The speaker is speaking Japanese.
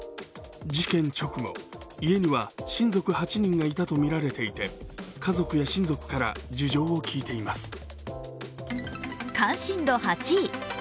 事件直前、家には親族８人がいたとみられていて家族や親族から事情を聴いています。